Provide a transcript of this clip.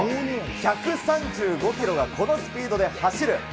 １３５キロがこのスピードで走る。